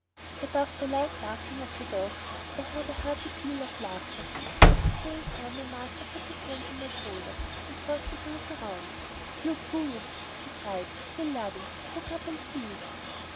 Above the loud barking of the dogs, I heard a hearty peal of laughter. At the same time my master put his hands on my shoulders and forced me to look round. "You goose," he cried, still laughing, "look up and see it."